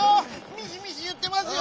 ミシミシいってますよ。